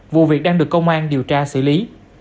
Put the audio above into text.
vụ việc đang được công an điều tra xử lý